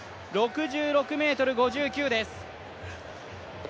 ６６ｍ５９です。